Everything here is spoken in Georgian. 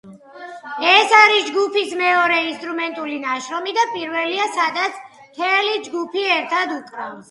ეს არის ჯგუფის მეორე ინსტრუმენტული ნაშრომი და პირველია, სადაც მთელი ჯგუფი ერთად უკრავს.